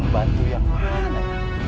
bantu yang mana